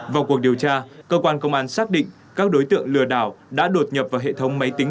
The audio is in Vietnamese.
vào cuộc điều tra cơ quan công an xác định các đối tượng lừa đảo đã đột nhập vào hệ thống máy tính